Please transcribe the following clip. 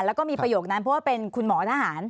แล้วก็มีประโยคนั้นเพราะว่าเป็นคุณหมอทหาร